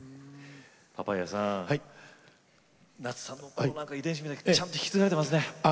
パパイヤさん、夏さんの遺伝子みたいなのちゃんと引き継がれてますね。